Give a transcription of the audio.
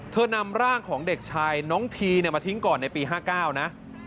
นำร่างของเด็กชายน้องทีมาทิ้งก่อนในปี๕๙นะ